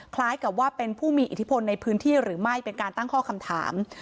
คล้ายกับว่าเป็นผู้มีอิทธิพลในพื้นที่หรือไม่เป็นการตั้งข้อคำถาม